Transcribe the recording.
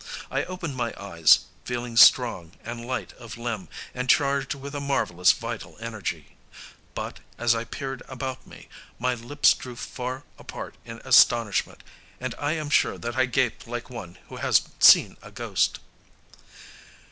I opened my eyes, feeling strong and light of limb and charged with a marvelous vital energy but, as I peered about me, my lips drew far apart in astonishment, and I am sure that I gaped like one who has seen a ghost.